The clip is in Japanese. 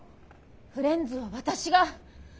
フレンズは私が。